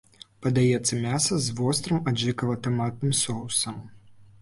Падаецца мяса з вострым аджыкава-таматным соусам.